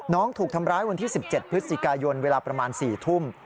ถูกทำร้ายวันที่๑๗พฤศจิกายนเวลาประมาณ๔ทุ่ม